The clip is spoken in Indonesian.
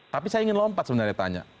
tapi saya ingin lompat sebenarnya tanya